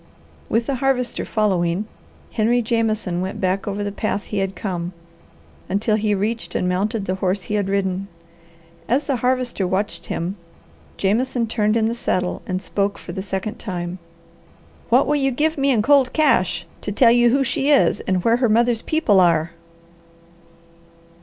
With the Harvester following, Henry Jameson went back over the path he had come, until he reached and mounted the horse he had ridden. As the Harvester watched him, Jameson turned in the saddle and spoke for the second time. "What will you give me in cold cash to tell you who she is, and where her mother's people are?"